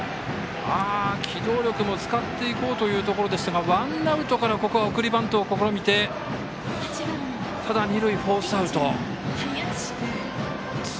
機動力も使っていこうというところでしたがワンアウトからここは送りバントを試みてただ、二塁フォースアウト。